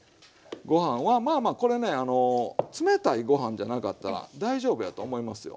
ご飯はまあまあこれね冷たいご飯じゃなかったら大丈夫やと思いますよ。